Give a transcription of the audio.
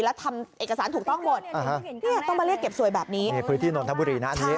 แล้วทำเอกสารถูกต้องหมดต้องมาเรียกเก็บสวยแบบนี้